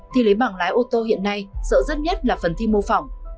tỷ lệ bằng lái ô tô hiện nay sợ rất nhất là phần thi mô phỏng